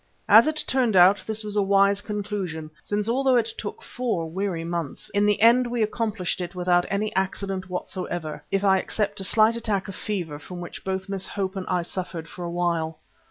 As it turned out this was a wise conclusion, since although it took four weary months, in the end we accomplished it without any accident whatsoever, if I except a slight attack of fever from which both Miss Hope and I suffered for a while.